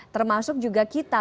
termasuk juga kita